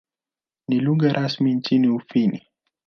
Ni lugha rasmi nchini Ufini.